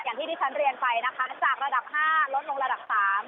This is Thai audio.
อย่างที่ที่ฉันเรียนไปนะคะจากระดับ๕ลดลงระดับ๓